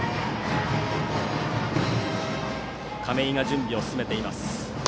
亀井が準備を進めています。